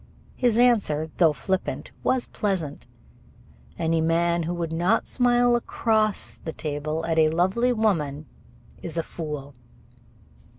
His answer, though flippant, was pleasant: "Any man who would not smile across the table at a lovely woman is a fool."